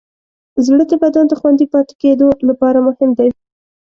زړه د بدن د خوندي پاتې کېدو لپاره مهم دی.